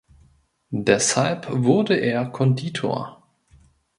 Deshalb wurde er Konditor.